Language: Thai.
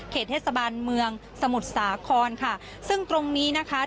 เทศบาลเมืองสมุทรสาครค่ะซึ่งตรงนี้นะคะ